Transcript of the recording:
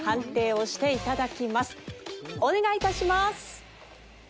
お願い致します。